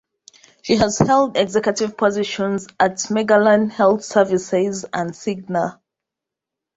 She has held executive positions at Magellan Health Services and Cigna.